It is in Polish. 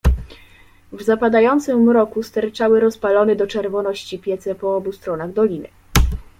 "W zapadającym mroku sterczały rozpalone do czerwoności piece po obu stronach doliny."